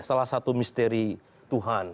salah satu misteri tuhan